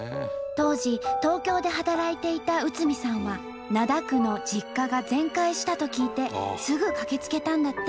当時東京で働いていた慈さんは灘区の実家が全壊したと聞いてすぐ駆けつけたんだって。